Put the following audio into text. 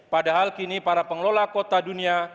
padahal kini para pengelola kota dunia